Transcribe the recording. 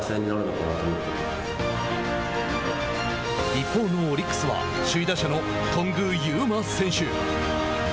一方のオリックスは首位打者の頓宮裕真選手。